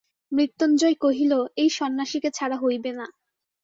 মৃত্যুঞ্জয় কহিল, এই সন্ন্যাসীকে ছাড়া হইবে না।